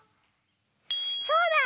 そうだ！